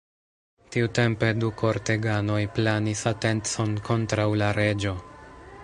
Tiutempe du korteganoj planis atencon kontraŭ la reĝo.